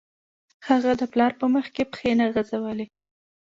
هغه د پلار په مخکې پښې نه غځولې